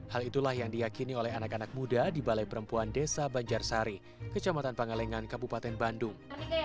hal itulah yang diakini oleh anak anak muda di balai perempuan desa banjarsari kecamatan pangalengan kabupaten bandung